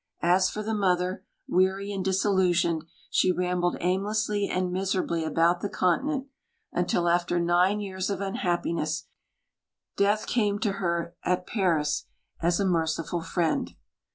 As for the mother, weary and disillusioned, she rambled aimlessly and miserably about the Continent until, after nine years of unhappiness, death came to her at Paris as a merciful friend.